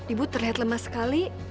ibu terlihat lemah sekali